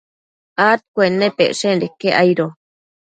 adcuennepecshenda aido iquec